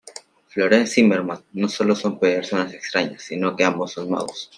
Florence Zimmermann, no sólo son personas extrañas, sino que ambos son magos.